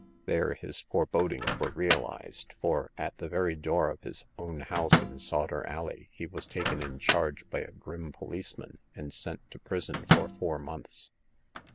There his forebodings were realized, for at the very door of his own house in Sawder Alley, he w^as taken in charge by a grim policeman, and sent to prison for four months.